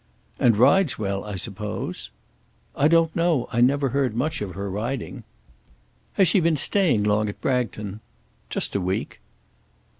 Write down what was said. "And rides well I suppose." "I don't know. I never heard much of her riding." "Has she been staying long at Bragton?" "Just a week."